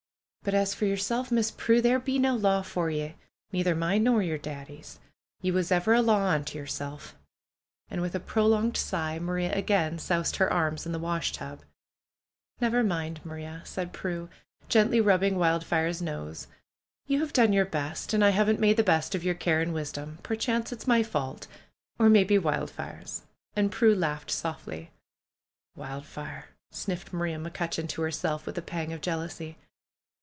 But as for yerself. Miss Prue, there be no law for ye; neither mine nor yer Daddy's. Ye was ever a law unto yerself," and with a prolonged sigh, Maria again soused her arms in the washtub. ^^Never mind, Maria !'^ said Prue, gently rubbing Wildfire's nose. ^^You have done your best, and I haven't made the best of your care and wisdom. Per chance it's my fault; or maybe Wildfire's!" And Prue laughed softly. ^AVildfire !" sniffed Maria McCutcheon to herself with a pang of jealousy.